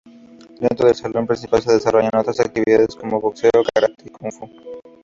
Dentro del salón principal se desarrollan otras actividades como boxeo, karate y kung fu.